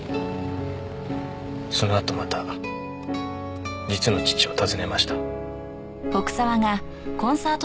そのあとまた実の父を訪ねました。